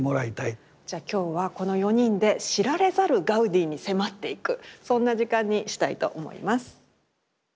じゃあ今日はこの４人で知られざるガウディに迫っていくそんな時間にしたいと思います。